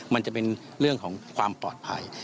มันจะเป็นเรื่องของความปลอดภัย